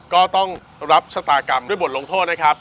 ก็ต้องรับชะตากรรมด้วยบทลงโทษนะครับ